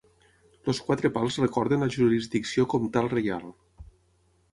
Els Quatre Pals recorden la jurisdicció comtal-reial.